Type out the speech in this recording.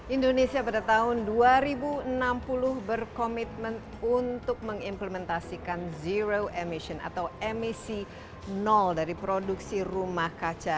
indonesia pada tahun dua ribu enam puluh berkomitmen untuk mengimplementasikan zero emission atau emisi nol dari produksi rumah kaca